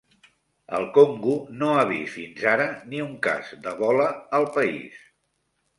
El Congo no ha vist fins ara ni un cas d'Ebola al país